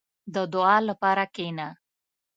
• د دعا لپاره کښېنه.